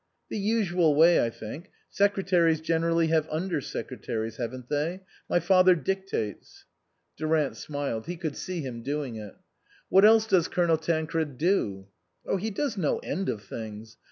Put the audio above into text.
" The usual way, I think. Secretaries gener ally have under secretaries, haven't they? My father dictates." 48 INLAND Durant smiled. He could see him doing it. " What else does Colonel Tancred do ?"" He does no end of things.